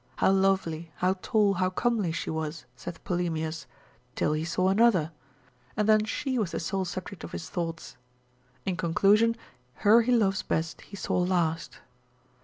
How lovely, how tall, how comely she was (saith Polemius) till he saw another, and then she was the sole subject of his thoughts. In conclusion, her he loves best he saw last.